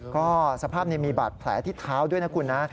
ก็สภาพมีบาดแผลที่เท้าด้วยนะคุณนะ